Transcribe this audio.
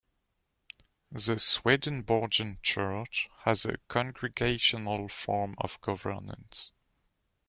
The Swedenborgian Church has a congregational form of governance.